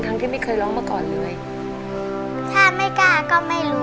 ถ้าไม่กล้าก็ไม่รู้ค่ะ